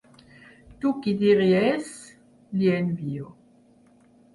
Tu qui diries? —li envio.